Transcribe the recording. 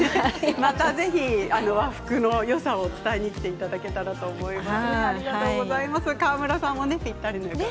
またぜひ和服のよさを伝えに来ていただけたらと思います。